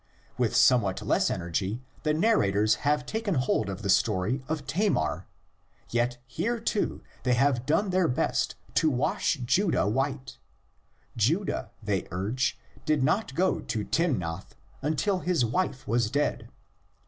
With somewhat less energy the narrators have taken hold of the story of Tamar; yet here too they have done their best to wash Judah white: Judah, they urge, did not go to Timnath until his wife was dead.